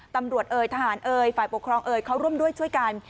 ตำรวจเอยทหารเอยฝ่าปกครองเอยเขาร่วมด้วยช่วยกัน